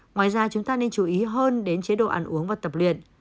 ngoài ra chúng ta nên chú ý hơn đến chế độ ăn uống và tập luyện